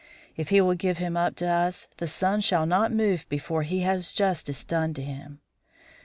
If he will give him up to us, the sun shall not move before he has justice done to him.